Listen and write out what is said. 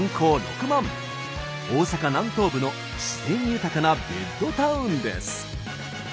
大阪南東部の自然豊かなベッドタウンです。